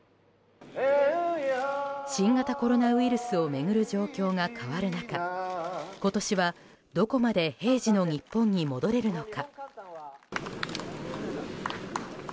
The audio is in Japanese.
新型コロナウイルスを巡る状況が変わる中今年はどこまで平時の日本に戻れるのか。